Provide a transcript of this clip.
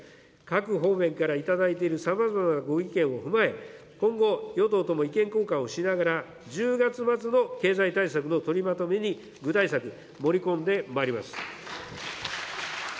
各方面から頂いているさまざまなご意見を踏まえ、今後、与党とも意見交換をしながら、１０月末の経済対策の取りまとめに、具体策、盛り込んでまいります。